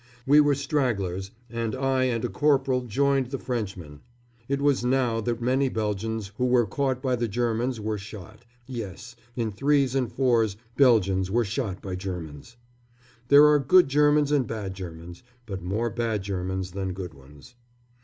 We were stragglers, and I and a corporal joined the Frenchmen. It was now that many Belgians who were caught by the Germans were shot yes, in threes and fours Belgians were shot by Germans. There are good Germans and bad Germans; but more bad Germans than good ones.